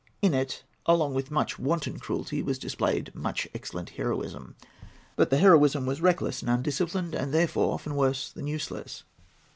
In it, along with much wanton cruelty, was displayed much excellent heroism. But the heroism was reckless and undisciplined, and therefore often worse than useless.